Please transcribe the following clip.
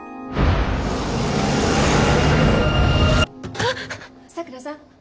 あぁっ。桜さん。